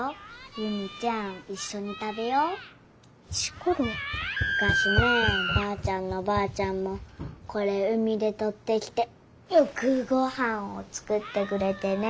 むかしねばあちゃんのばあちゃんもこれ海でとってきてよくごはんを作ってくれてね。